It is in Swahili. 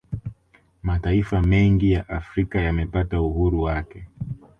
Mataifa mengi ya Afrika yamepata uhuru wake